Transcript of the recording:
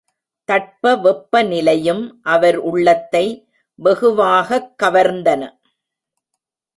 தட்ப வெப்ப நிலையும் அவர் உள்ளத்தை வெகுவாகக் கவர்ந்தன.